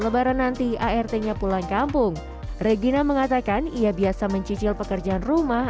lebaran nanti art nya pulang kampung regina mengatakan ia biasa mencicil pekerjaan rumah